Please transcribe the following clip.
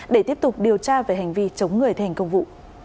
để tiếp tục điều tra về hành vi chống người thi hành công vụ